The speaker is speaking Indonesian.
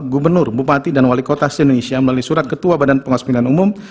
gubernur bupati dan wali kota se indonesia melalui surat ketua badan pengawas pemilihan umum